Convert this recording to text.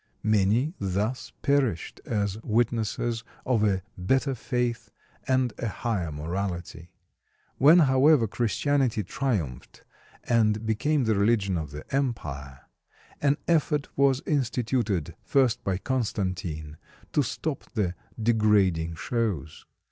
Many thus perished as witnesses of a better faith and a higher morality. When, however, Christianity triumphed and became the religion of the empire, an effort was instituted, first by Constantine, to stop the degrading shows.